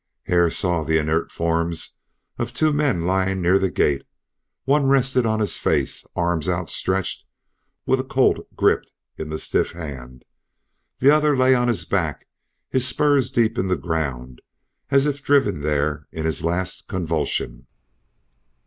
Hare saw the inert forms of two men lying near the gate; one rested on his face, arm outstretched with a Colt gripped in the stiff hand; the other lay on his back, his spurs deep in the ground, as if driven there in his last convulsion.